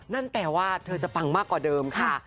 นั่นแปลว่าเธอจะปังมากกว่าเดิมค่ะ